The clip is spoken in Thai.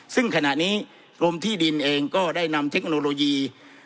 ซึ่งขณะนี้กรมที่ดินเองก็ได้นำเทคโนโลยี